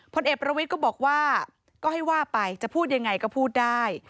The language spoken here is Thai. พลเอกประวิทย์ก็บอกว่าก็ให้ว่าไปจะพูดยังไงก็พูดได้